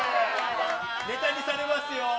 ネタにされますよ。